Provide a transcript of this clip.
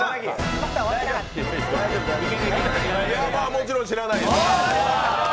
もちろん知らないです。